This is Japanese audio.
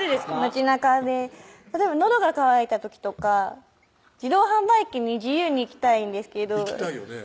街中で例えばのどが渇いた時とか自動販売機に自由に行きたいんですけど行きたいよね